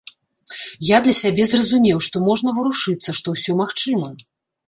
Я для сябе зразумеў, што можна варушыцца, што ўсё магчыма.